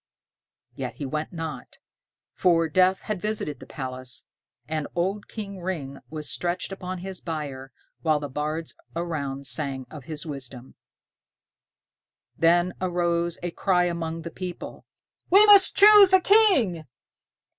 Yet he went not; for death had visited the palace, and old King Ring was stretched upon his bier, while the bards around sang of his wisdom. Then arose a cry among the people, "We must choose a king!"